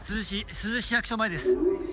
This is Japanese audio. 珠洲市役所前です。